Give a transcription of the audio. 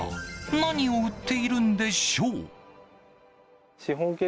何を売っているんでしょう。